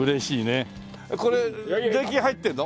これ税金入ってるの？